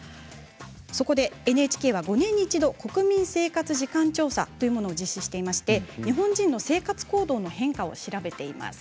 そこでＮＨＫは５年に一度国民生活時間調査というものを実施していまして日本人の生活行動の変化を調べています。